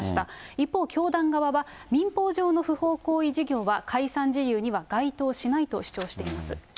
一方、教団側は、民法上の不法行為事業は解散事由には該当しないと主張しています。